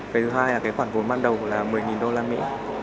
cái thứ hai là cái khoản vốn ban đầu là một mươi đô la mỹ